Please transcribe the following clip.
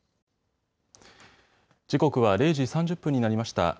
時刻は０時３０分になりました。